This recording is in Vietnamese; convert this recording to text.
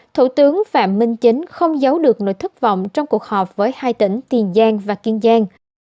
thủ tướng phạm minh chính không giấu được nỗi thất vọng trong cuộc họp với hai tỉnh tiền giang và kiên giang